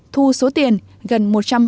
thu số tiền gần